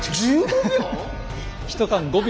１缶５秒。